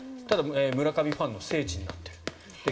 村上ファンの聖地になっている。